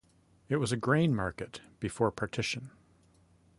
It was a grain market before partition.